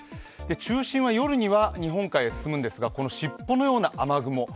中心は夜には日本海へ進むんですが尻尾のような雨雲